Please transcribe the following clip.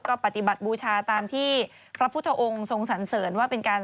ก็ปฏิบัติบูชาตามที่พระพุทธองค์ทรงสันเสริญว่าเป็นการ